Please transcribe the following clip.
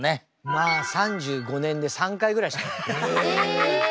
まあ３５年で３回ぐらいしかない。え！？